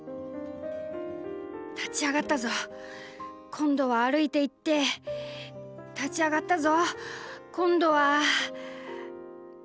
「立ち上がったぞ今度は歩いていって立ち上がったぞ今度は」。